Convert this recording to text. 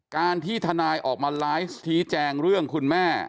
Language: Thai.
การที่ทนายออกมาไลฟ์ชี้แจงเรื่องคุณแม่